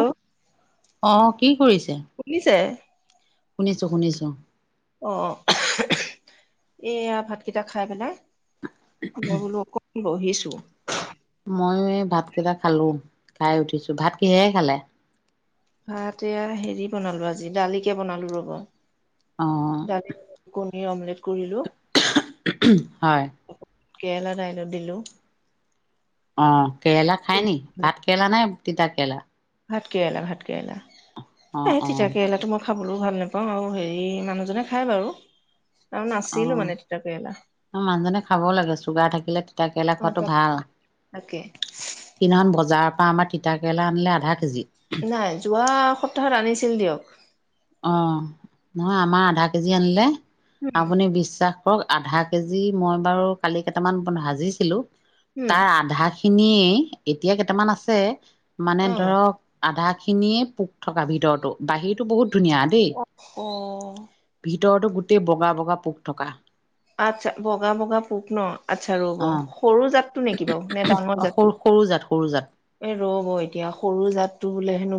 উম আহ কি কৰিছে শুনিছে শুনিছো শুনিছো অ এয়া ভাতকেইটা খাই পেলাই। মই বোলো অক বহিছো ত ময়ো এই ভাত কেইটা খালো খাই উঠিছো ভাত কিহে খালে। ভাত এয়া হেৰি বনালো আজি দালিকে বনালো ৰব অ' দালি অলপ বইল- এই অমলেট কৰিলো হয় কেৰেলা দাইলত দিলু অ কেৰেলা খাই নি ভাত কেৰেলা নে তিতাকেৰেলা ভাত কেৰেলা ভাত কেৰেলা এ অ' সেই অ' তিতা কেৰেলা তাৰ তোমাক খাবলৈও ভাল নাপাওঁ আৰু হেৰি মানুহজনে খায় বাৰু আৰু নাছিলো মানে তিতা কেৰেলা অ মানুহজনে খাবও লাগে চুগাৰ থাকিলে তিতা কেেৰেলা অ খোৱাতো তাক ভাল তাকে সিদিনাখনখন বজাৰৰ তপ আম তিতা কেৰেল আনিলেধা কেজি নাই যোৱা সপ্তাহত আনিছিল দিয়ক। অ নহয় আমাৰ আধা কেজি আনিলে। উম আপুনি বিশ্বাস- ধৰক আধা কেজি মই বাৰু কালি কেইটামান ভাজিছিলোঁ তাৰ আধা খিনিয়ে এতিয়া কেইটামান আছে মানে উম ধৰক আধা খিনিয়ে পোক থকা ভিতৰতো বাহিৰতো বহুত ন দে অ অ প ভিতৰতো গোটেই বগা বগা পোক থকা আচ্ছা বগা বগা পোক ন আচ্ছা ৰব অ সৰু যাত টো নেকি বাৰু নে ডাঙৰ জাতটো সৰু সৰু জাত সৰু জাত এ ৰব এতিয়া সৰু এই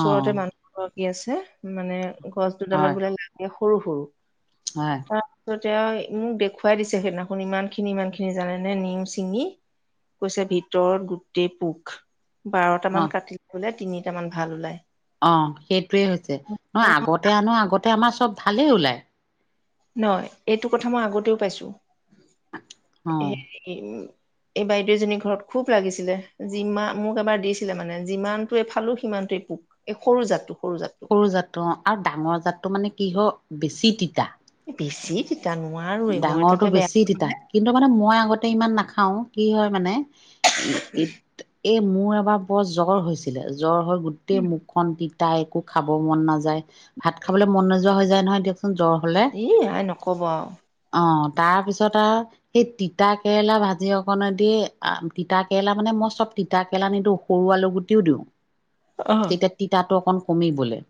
অ মানুহ কি আছে মানে গছ হয় ডালত বিলাক লাগে সৰু সৰু [unintelligible] এতি মোক দেখুৱাই দিছে সেইদিনাখন ইমান খিনি ইমান খিনি জানে নে নিম ছিঙি কৈছে ভিতৰত গোটেই পোক বাৰটা ন মান কাটি ললে তিনিটামান ভাল ওলাই অ সেইটোয়ে হৈছে নহ আগতে আনো আগতে আমাৰ চব ভালেই ওলাই নহ এইটো কথা মই আগতেও পাইছো অ [unintelligible] এই বাইদেউ এজনী ঘৰত খুব লাগিছিলে যিমান মোক এবাৰ দিছিলে মানে যিমানটোৱে ফালো সিমানটোোৱে পোক এই সৰু জাতটো সৰু জাতটো সৰু জাতটো অ আৰু ডাঙৰ জাতটো মানে কি হ বেছি তিতা। পিছি ডাঙৰটো বেছি তিতা কিন্তু মানে মই আগতে ইমান নাখাও কি হয় মানে এই এই মোৰ এবাৰ বৰ জ্বৰ হৈছিলে জ্বৰ হৈ গোটেই মুখখন তাই একো খাব মন নাযায় ভাত খাবলৈ মন নোযোৱা হৈ যায় নহয় দিয়ক এ আই নকব আৰু অ তাৰ পিছত আৰু সেই তিতা কেৰেলা ভাজি অকণদি তিতা কেৰেলা মানে মই চব তিতা কেৰেলা নিদিওঁ সৰু আলু গুটিও দিওঁ অ তেতিয়া তিতাটো অকণ কমিবলে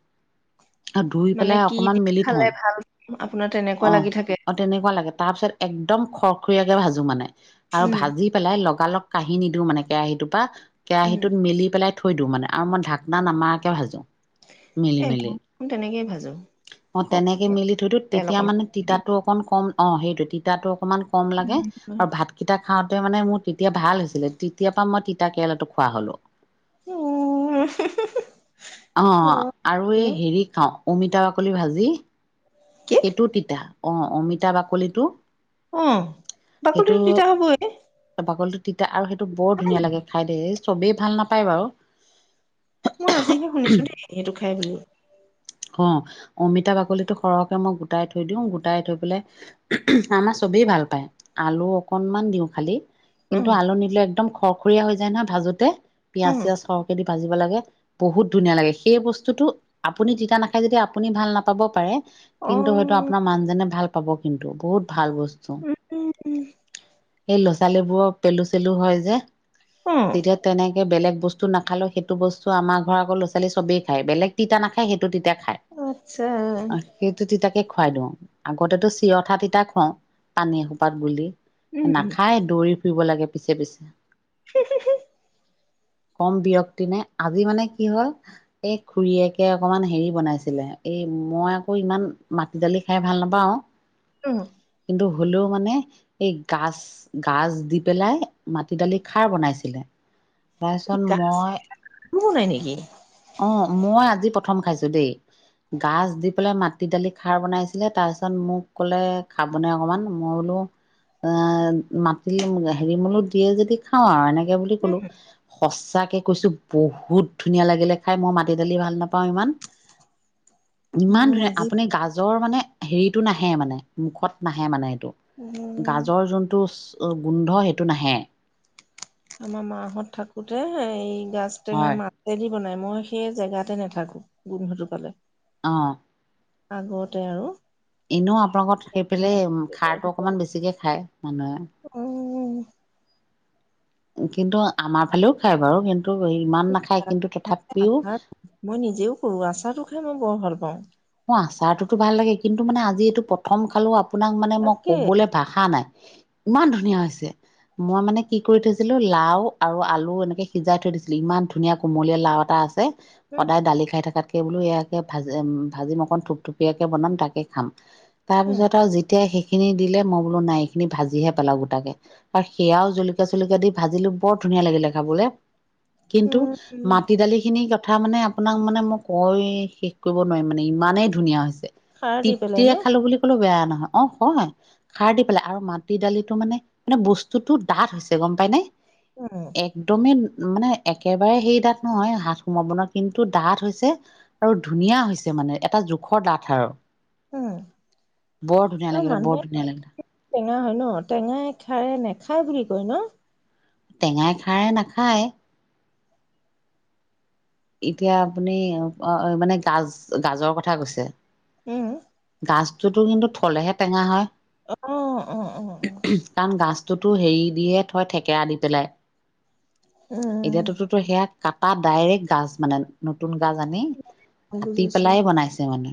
আৰু ধুই মানে পেলাই কি অকমান দিম মেলি থওঁ খালে ভাল আপোনাৰ অ তেনেকুৱা লাগি থাকে অ তেনেকুৱা লাগে তাৰ পিছত একদম খৰখৰীয়া আৰু উম ভাজি পেলাই লগালগ কাহী নিদিওঁ মানে কেৰাহীটোৰ পৰা উম কেৰাহীটোত মিলি পেলাই থৈ দিওঁ মানে আৰু মই ঢাকনা নামাৰাকৈ ভাজোঁ মিলি এ মেলি মই তেনেকেই ভাজো অ তেনেকে মিলি থৈতো তেল তেতিয়া অকণ মানে দি তিতাত অকণ কম অ সেইটো তিতাতোক অকমান কম লাগে উম আৰু ভাতকেইটা খা মানে মোৰ তেতিয়া ভাল হৈছিলে তেতিয় পা মই তিতা কেৰেলাটো খোৱা হলো। অ আৰু এই হেৰি খাওঁ অমিতা বাকলি ভাজি কি সেইটো তিতা অ অমিতা বাকলিটো। আহ সেইটো বাকলিতো তিতা হবই বাকলিটো তিতা আৰু সেইটো বৰ ধুনীয়া লাগে খাই দে চবেই ভাল নাপায় বাৰু মই আজিহে শুনিছো দেই সেইটো খাই বুলি অ অমিতা বাকলিটো সৰহকে মই গোটাই থৈ দিওঁ গোটাই থৈ পেলাই আমাৰ চবেই ভাল পায় আলু অকনমান দিওঁ খালি অ কিন্তু আলু নিদিলে একদম খৰ দুুখুৰীয়া হৈ যায় ন ভাজোতে অ পিয়াজ পিয়াজ সৰহ কে দি ভাজিব লাগে বহুত ধুনীয়া লাগে সেই বস্তুটো আপুনি যিটো। নাখাই যেতিয়া আপুনি ভাল নাপাব পাৰে কিন্তু হয়তো আপোনাৰ মানুজনে ভাল পাব কিন্তু বহুত ভাল বস্তু উম উম সেই ল'ৰা ছোৱালীবোৰৰ পেলু চেলু হয় যে তেতিয়া তেনেক বেলেগ বস্তু নাখালো সেইটো বস্তু আম ঘৰ আক ল'ৰা-ছোৱালীয়ে চবেই খায় বেলেগ তিতা নাখাই সেইটো টো তিতা খায় আত্ছা কি খুৱাই দিওঁ আগতেতো চিৰঠা তিতা খুৱও পানী এসোপাত বুলি। নাখায় দৌৰি ফুৰিব লাগে। পিছে পিছে। [unintelligible] কম বিৰক্তি নে আজি মানে কি হ'ল এই খুৰীয়েকে। অকমান হেৰি বনাইছিলে এই মই আকৌ ইমান মাটি দালি খাই ভাল নাপাওঁ। আহ্ কিন্তু হ'লেও মানে এই গাজ গাজ দি পেলাই মাটি দালি খাৰ বনাইছিলে। তাৰপিছত গানো মই বনাই নেকি? অ। মই আজি। প্ৰথম খাইছো দেই, গাজ দি পেলাই মাটি দালি খাৰ বনাইছিলে তাৰ পিছত মোক ক'লে খাবনে অকমান মই বোলো এ মাটি হেৰি মলো দিয়ে যদি খাওঁ আৰু এনেকে। তাকে বুলি হুম, ক'লো। সঁচাকে কৈছোঁ। বহুত ধুনীয়া লাগিলে খাই। মই মাটি দালি ভাল নাপাওঁ। পাওঁ ইমান। ইমান মই ধুনীয়া আজি আপুনি গাজৰ মানে হেৰিটো নাহে, মানে মুখত নাহে মানে। উম, গাজৰ যোনটো গোন্ধ সেইটো নাহে। আমাৰ মাহত থাকোতে এই গাজ টেঙা হয় মাছেদি দি বনায়। মই সেই জেগাতে নাথাকো গোন্ধটো পালে। অ। আগতে আৰু। এনেও আপোনালোকত সেইফালে দেউতা খাৰটো ঢুকাল অকণমান বেছিকে খায় মানুহে। উম। কিন্তু আমাৰ ফালেও খাই বাৰু কিন ইমান নাখায় গাজ কিন্তু টেঙা যে তথাপিও আচাৰ মই নিজেও কৰো আচাৰটো খাই মই বৰ ভাল পাওঁ। আচাৰটো টো ভাল লাগে, কিন্তু মানে আজি এইটো প্ৰথম খালো আপোনাক মানে মই তাকে ক'বলৈ ভাষা নাই। ইমান ধুনীয়া হৈছে। মই মানে কি কৰি থৈছিলো লাও আৰু আলু এনেকে সিজাই থৈ দিছিলো। ইমান ধুনীয়া কোমলীয়া লাও এটা আছে। উম, সদায় দালি খাই থাকাত সেইবোলো ইয়াকৈ ভাজিম। ভাজি অকণ থুপথুপীয়াকে বনাম তাকে খাম। উম, তাৰপিছত আৰু যেতিয়াই শেষ খিনি দিলে। মই বোলো নাই এইখিনি ভাজিহে পেলাও গোটাকে। আৰু সেয়াও জলকীয়া-চলকীয়া দি ভাজিলো বৰ ধুনীয়া লাগিলে খাবলে। কিন্তু উম, উম, মাটি দালি খিনি কথা মানে আপোনাক মানে মই কৈ শেষ কৰিব নোৱাৰিম। মানে ইমানেই ধুনীয়া হৈছে। সাৰ দি পেলাই ন তৃপ্তিৰে খালো বুলি কলেও বেয়া না অ হয় খাৰ দি পেলাই। আৰু মাটি দালিটো মানে মানে বস্তুটো ডাঠ হৈছে গম পাই নে? উম, একদমেই মানে একেবাৰে সেই ডাঠ নহয়, হাত সোমাব নোৱাৰা। কিন্তু ডাঠ হৈছে আৰু ধুনীয়া হৈছে। মানে এটা জোখৰ ডাঠ আৰু। উম, বৰ ধুনীয়া আৰু লাগিলে। মানুহে বৰ ধুনিয়া লাগিলে। টেঙা হয় ন? টেঙাই খাৰে নেখায় বুলি কয় ন? টেঙাই খাৰে নাখায়। এতিয়া আপুনি মানে গাজ গাজৰ কথা কৈছে। উম, গাজ। যোনটো কিন্তু থলেহে টেঙা হয় আহ অ অ অ টো হেৰি দি হে থৈ থেকেৰা দি পেলাই উম এতিয়াতোতো তো সেয়া কাটা ডাইৰেক্ট টাচ মানে নতুন গাজ আনি কাটি বুজিছো পেলাই বনাইছে মানে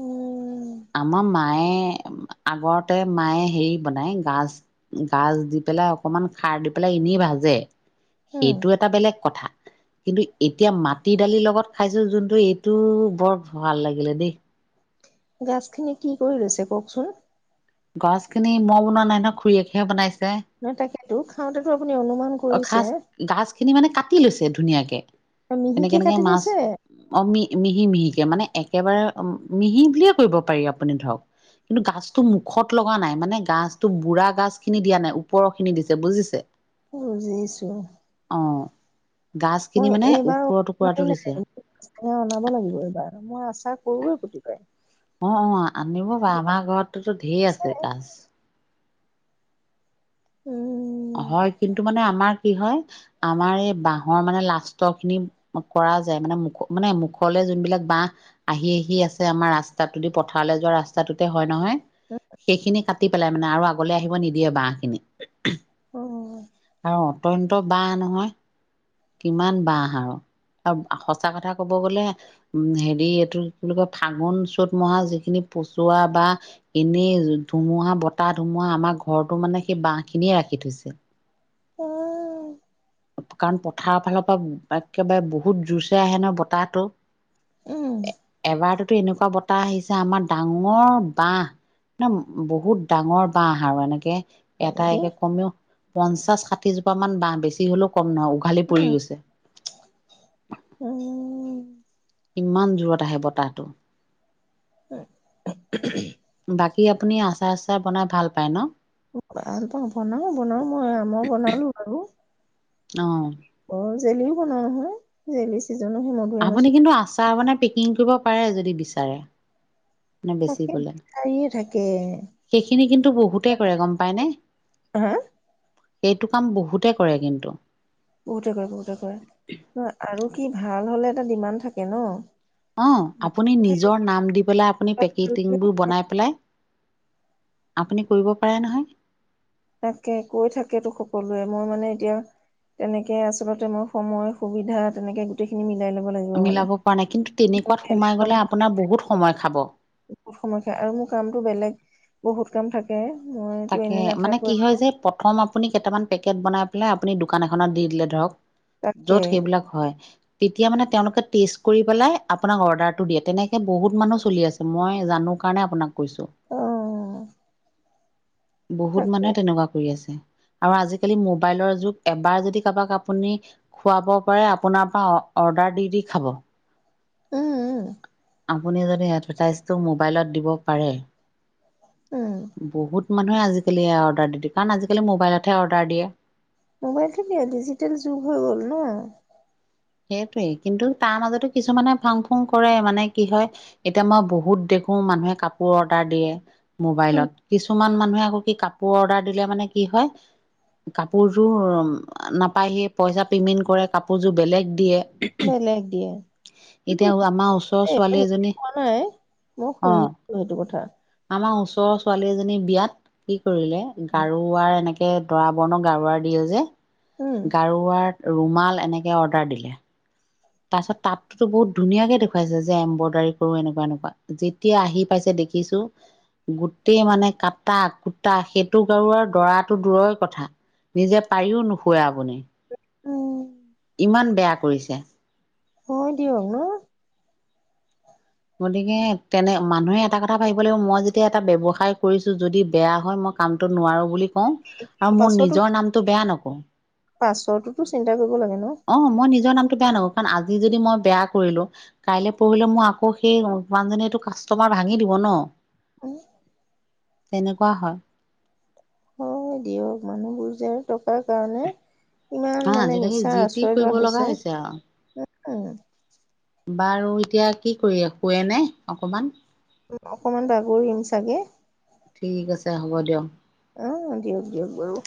উম আমাৰ মায়ে আগৰতে মায়ে হেৰি বনাই গাজ গাজ দি পেলাই অকমান খাৰ দি পেলাই এনেই ভাজে উম সেইটো এটা বেলেগ কথা কিন্তু এতিয়া মাটি দালিৰ লগত খাইছো যোনটো এইটো বৰ ভাল লাগিলে দেই গাছখিনি কি কৰি ৰৈছে কওকচোন গছ খিনি মই বনোৱা নাই ন খুৰীয়েকেহে বনাইছো নহ তাকেতো খাওঁতেতো আপুনি অনুমান অ কৰিছে খাচ গা মাছ খিনি মানে কাটি লৈছে ধুনীয়াকে এনেকে মিহিকে এনেকে কাটি মাছ লৈছে আমি মিহি মিহিকে মানে একেবাৰে মিহি বুলিয়ে কৰিব পাৰি আপুনি ধৰক কিন্তু গাছটো মুখত লগা নাই মানে গাছটো বুঢ়া গাছ খিনি দিয়া নাই ওপৰৰ খিনি দিছে বুজিছে বুজিছো অ গাজ খিনি মই মানে এইবাৰ ওপৰৰ টুকুৰাটো দিছে নাইা [inaudible] ব লাগিব এইবাৰ মই আছো সৰুৱে পুতি খায় অ অ আনিব বাৰ আমাৰ ঘৰততো ঢেৰ আছে গাজ উম হয় কিন্তু মানে আমাৰ কি হয় আমাৰ এই বাহৰ মানে লাষ্টৰখিনি কৰা যায় মানে মুখ মানে মুখলে যোনবিলাক বাহ আহি আহি আছে আমাৰ ৰাস্তাদি পথাৰলৈ যোৱা ৰাস্তাটোতে হয় নহয় সেইখিনি কাটি পেলাই মানে আৰু আগলে আহিব নিদিয়ে বাহহ খিনি অ অ তয়ন্ত ব নহয় কিমান বহ আৰু আৰু সঁচা কথা কব গলে উম হেৰি এইটো বুলি কয় ফাগুন চ'ত মহা যিখিনি পচোৱা বা এনেই ধুমুহা বতাহ ধুমুহা আমাৰ ঘৰৰতটো মানে সেই বাহ খিনিয়ে ৰাখি থৈছিল আহ কণ পথাৰ ফালৰ পৰা একেবাৰে বহুত জোৰছে আহে ন বতাহটো উম এবাৰটোতো এনেকুৱা বতাহ আহিছে আমাৰ ডাঙৰ বাহ নে বহুত ডাঙৰ বাহ আৰু এনেকে হয় এটা নেকি একে কমেও পঞ্চা ষষ্ঠী মান বাঁহ বেছি হলেও কম নহয় উম পৰি গৈছে উম। ইমান জূৰত আহে বতাহটো। [unintelligible] বাকী আপুনি আচাৰ চচাৰ বনাই ভাল পায় ন? ভাল পাওঁ, বনাও বনাও মই আমৰ বনালো আৰু। অঁ। অ, জেলিও বনাও নহয় জেলি। চিজনো সেই মধুৰিআম আছে আপুনি কিন্তু আচাৰ আ মোনাৰ। কিং কৰিব পাৰে যদি বিচাৰে। নে বেচি তাকে পলে বিচাৰিয়ে থাকে সেইখিনি কিন্তু বহুতে কৰে গম পায়নে। হা সেইটো কাম বহুতে কৰে কিন্তু। বহুতে কৰে বহুতে কৰে, নহ আৰু কি ভাল হলে' এটা ডিমাণ্ড থাকে ন। অ, আপুনি নিজৰ নাম দি পেলাই আপুনি পেকেজিংবোৰ বনাই পেলাই আপুনি কৰিব পাৰে নহয়। তাকে কৈ থাকে তো সকলোৱে, মই মানে এতিয়া তেনেকে আচলতে মই সময় সুবিধা তেনেকে গোতেইখিনি মিলাই লব। লাগিব মানে মিলাব পৰা নাই, কিন্তু মোৰ তেনেকুৱাত বেলেগ সোমাই কাম গলে আপোনাৰ বহুত সময় খাব। বহুত সময় খায় আৰু মোৰ কামতটো বেলেগ বহুত কাম থাকে। মইতো তাকে এনেই মানে কি নাথাকোৱে হয় যে প্ৰথম। আপুনি কেইটামান পেকেট বনাই পেলাই আপুনি দোকান এখনত দি দিলে ধৰক। তাকে য'ত সেইবিলাক হয়। তেতিয়া মানে তেওঁলোকে টেষ্ট কৰি পেলাই আপোনাক অৰ্ডাৰটো দিয়ে তেনেকে বহুত মানুহ চলি আছে মই জানো কাৰণে আপোনাক কৈছো। আহ। বহুত মানুহে তেনেকুৱা কৰি আছে। আৰু আজিকালি মোবাইল ৰ যোগ এবাৰ যদি কাবাক আপুনি খুৱাব পাৰে আপোনাৰ পৰা অৰ্ডাৰ দি দি খাব।। উম। আপুনি যদি এডভাইজটো মোবাইলত দিব পাৰে। উম বহুত। মানুহে আজিকালি এই অৰ্ডাৰ দি দে কাৰণ আজিকালি মোবাইলতহে অৰ্ডাৰ দিয়ে। মোবাইলতে দিয়ে ডিজিটেল যুগ হৈ গ'ল ন'। সেইটোৱে কিন্তু, তাৰ মাজতো কিছুমানে ফাং ফুং কৰে মানে কি হয় এতিয়া মই বহুত দেখো মানুহে কাপোৰ অৰ্ডাৰ দিয়ে। উম মোবাইলত কিছুমান মান। কিছুমান মানুহে কি কাপোৰ অৰ্ডাৰ দিলে মানে কি হয় কাপোৰযোৰ নাপায়হি পইচা পেমেণ্ট কৰে কাপোৰযোৰ বেলেগ। দিয়ে। বেলেগ দিয়ে, এতিয়া আমাৰ ওচৰৰ ছোৱালী এজনী নাই মই অ শুনিছো সেইটো কথা। আমাৰ ওচৰৰ ছোৱালী এজনী বিয়াত কি। কৰিলে গাৰো আ এনেকে। দে দৰা বৰ্ণক গাৰুৱাৰ দিয়ে যে উম গাৰুৱাত ৰুমাল এনেকে অৰ্ডাৰ দিলে তাৰপিছত তাততো বহুত ধুনীয়াকে দেখুৱাইছে যে এম্ব্ৰইডাৰী কৰো এনেকুৱা এনেকুৱা যেতিয়া আহি পাইছে দেখিছো গোটেই মানে কাটা কুটা সেইটো গাৰুৱাৰ দৰাটো দূৰৰ কথা নিজে পাৰিও নোশুৱে আপুনি উম ইমান বেয়া কৰিছে হয় দিয়ক ন গতিকে তেনে মানুহে এটা কথা ভাবিব লাগিব মই যেতিয়া এটা ব্যৱসায় কৰিছো যদি বেয়া হয় মই কামটো নোৱাৰো বুলি কও আৰু মোৰ পাছতো নিজৰ নামতো বেয়া নকৰো পাছৰটোতো চিন্তা কৰিব লাগে ন অ মই নিজৰ নামতো বেয়া ন কাৰণ আজি যদি মই বেয়া কৰিলো কাইলৈ পঢ়িলে মই আকৌ আকৌ সেই মানুহজনীয়েটো কাষ্টমাৰ ভাঙি দিব ন আহ তেনেকুৱা হয় হয় দিয়ক মানুহবোৰ যে আৰু টকাৰ কাৰণে ইমান অ মানে আজিলকি মিছাৰ যি টি আশ্ৰয় লোৱা কৰিব লগা হৈছে উম আৰু বাৰু এতিয়া কি কৰি শুৱেনে অকমান অকমান বাগৰিম চাগে ঠিক আছে হ'ব দিয়ক। অ দিয়ক দিয়ক বাৰু